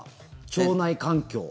腸内環境？